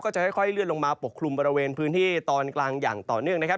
จะค่อยเลื่อนลงมาปกคลุมบริเวณพื้นที่ตอนกลางอย่างต่อเนื่องนะครับ